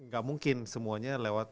gak mungkin semuanya lewat